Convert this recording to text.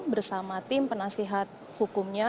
bersama tim penasihat hukumnya